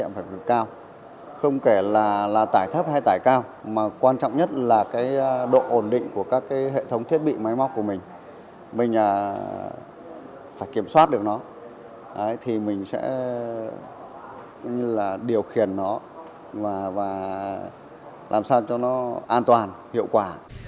và làm sao cho nó an toàn hiệu quả